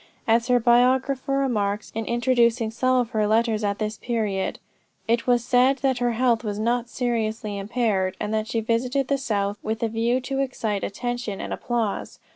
As her biographer remarks in introducing some of her letters at this period: "It was said that her health was not seriously impaired, and that she visited the South with a view to excite attention and applause.